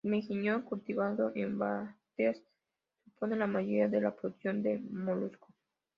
El mejillón cultivado en bateas supone la mayoría de la producción de moluscos.